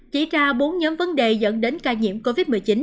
chỉ ra bốn nhóm vấn đề dẫn đến ca nhiễm covid một mươi chín